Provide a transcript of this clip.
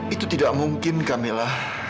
itu tidak mungkin kamila